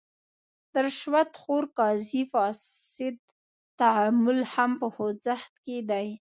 د رشوت خور قاضي فاسد تعامل هم په خوځښت کې دی.